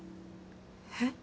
えっ？